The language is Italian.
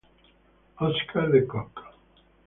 Oscar De Cock